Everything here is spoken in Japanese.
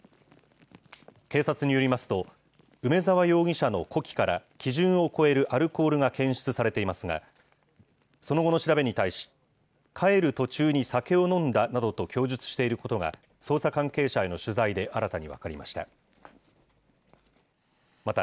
警察によりますと、梅澤容疑者の呼気から、基準を超えるアルコールが検出されていますが、その後の調べに対し、帰る途中に酒を飲んだなどと供述していることが、捜査関係者への取材で新たに分かりました。